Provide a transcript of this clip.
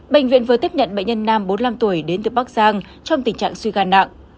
bệnh viện vừa tiếp nhận bệnh nhân nam bốn mươi năm tuổi đến từ bắc giang trong tình trạng suy gan nặng